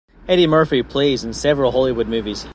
Eddy Murphy plays in several Hollywood movies.